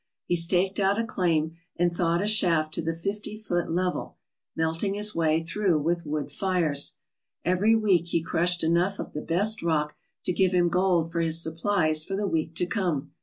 He staked out a claim and thawed a shaft to the fifty foot level, melting his way through with wood fires. Every week he crushed enough of the best rock to give him gold for his supplies for the week to come.